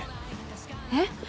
えっ？